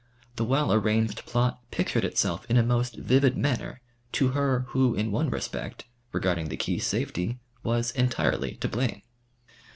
The well arranged plot pictured itself in a most vivid manner to her who in one respect, regarding the key's safety, was entirely to blame.